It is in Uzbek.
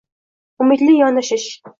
Umidli yondashish